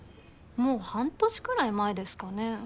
もう半年くらい前ですかね